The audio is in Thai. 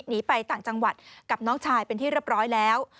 หนีไปต่างจังหวัดกับน้องชายเป็นที่เรียบร้อยแล้ว